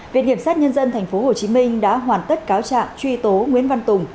việc nghiệm sát nhân dân tp hcm đã hoàn tất cáo trạng truy tố nguyễn văn tùng